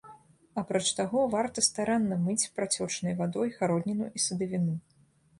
Апроч таго, варта старанна мыць працёчнай вадой гародніну і садавіну.